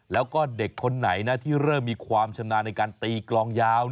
แล้วก็เด็กคนไหนนะที่เริ่มมีความชำนาญในการตีกลองยาว